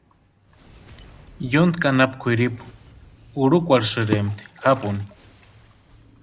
Yontki anapu kwʼiripu urhukwarhisïrempti japuni.